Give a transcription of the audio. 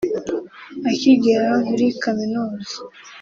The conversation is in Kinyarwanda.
Akigera muri kaminuza